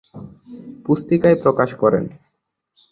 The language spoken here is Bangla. পুস্তিকায় প্রকাশ করেন।